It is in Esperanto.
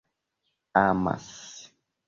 amas